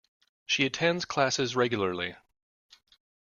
She attends classes regularly